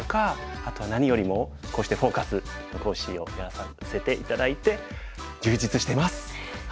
あと何よりもこうして「フォーカス」の講師をやらせて頂いて充実してます！